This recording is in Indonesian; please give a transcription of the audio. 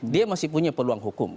dia masih punya peluang hukum